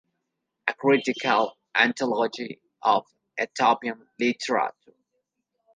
A Critical Anthology of Ethiopian Literature.